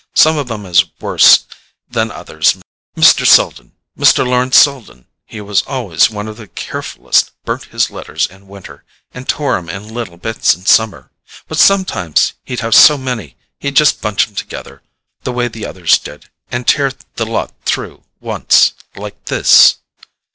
Some of 'em is worse than others. Mr. Selden, Mr. Lawrence Selden, he was always one of the carefullest: burnt his letters in winter, and tore 'em in little bits in summer. But sometimes he'd have so many he'd just bunch 'em together, the way the others did, and tear the lot through once—like this."